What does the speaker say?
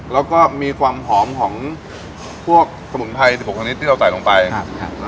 แล้วก็มีความหอมของพวกสมุนไพร๑๖ชนิดที่เราใส่ลงไปครับ